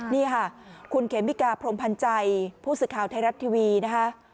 นี่ค่ะคุณเขมิกาพรมพันธ์ใจผู้สื่อข่าวไทยรัฐทีวีนะคะ